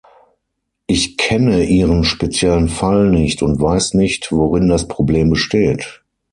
Ich kenne Ihren speziellen Fall nicht und weiß nicht, worin das Problem besteht.